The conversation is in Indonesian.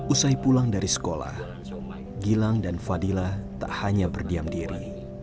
usai pulang dari sekolah gilang dan fadila tak hanya berdiam diri